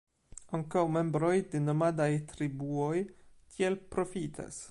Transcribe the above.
Ankaŭ membroj de nomadaj triboj tiel profitas.